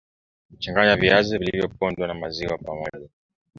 changanya viazi vilivyopondwa na mziwa pamoja